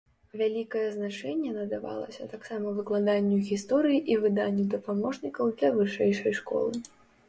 Вялікае значэнне надавалася таксама выкладанню гісторыі і выданню дапаможнікаў для вышэйшай школы.